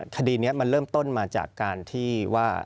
คดีนี้มันเริ่มต้นมาจากการที่ว่า